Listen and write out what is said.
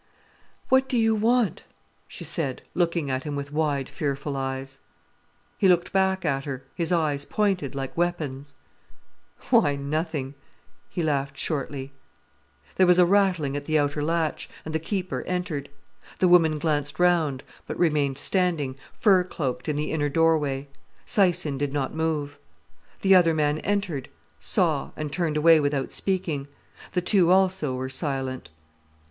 "What do you want?" she said, looking at him with wide, fearful eyes. He looked back at her, his eyes pointed, like weapons. "Why, nothing," he laughed shortly. There was a rattling at the outer latch, and the keeper entered. The woman glanced round, but remained standing, fur cloaked, in the inner doorway. Syson did not move. The other man entered, saw, and turned away without speaking. The two also were silent.